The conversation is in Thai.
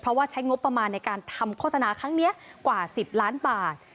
เพราะว่าใช้งบประมาณในการทำโฆษณาครั้งนี้กว่า๑๐ล้านบาท